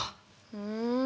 ふん。